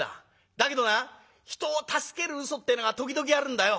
だけどな人を助けるうそってえのが時々あるんだよ。